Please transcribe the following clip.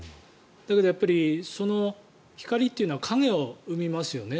だけどその光というのは影を生みますよね。